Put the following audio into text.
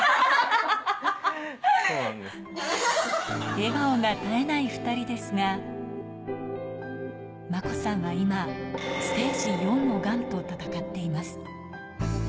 笑顔が絶えない２人ですが、真子さんは今、ステージ４のがんと闘っています。